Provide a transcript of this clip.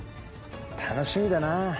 楽しみだなぁ。